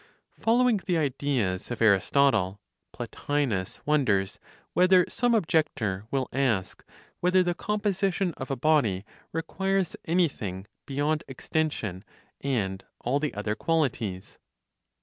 (Following the ideas of Aristotle, Plotinos wonders whether some objector) will ask whether the composition of a body requires anything beyond extension and all the other qualities?